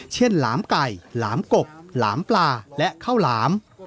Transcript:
หลามไก่หลามกบหลามปลาและข้าวหลาม